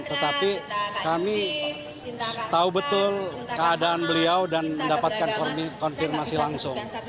tetapi kami tahu betul keadaan beliau dan mendapatkan konfirmasi langsung